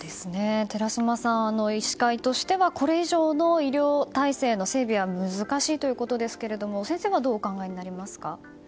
寺嶋さん、医師会としてはこれ以上の医療体制の整備は難しいということですけれども先生はどうお考えになりますか。